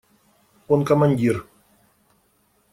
Он командир.